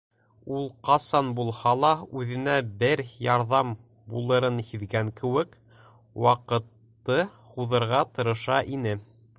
Ул, ҡасан булһа ла үҙенә бер ярҙам булырын һиҙгән кеүек, ваҡытты һуҙырға тырыша ине.